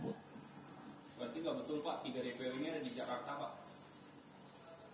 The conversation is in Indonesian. berarti nggak betul pak tiga dpo ini ada di jakarta pak